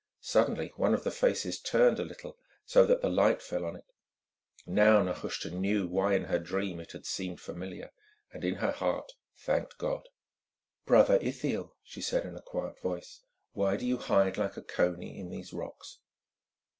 Suddenly one of the faces turned a little so that the light fell on it. Now Nehushta knew why in her dream it had seemed familiar, and in her heart thanked God. "Brother Ithiel," she said in a quiet voice, "why do you hide like a coney in these rocks?"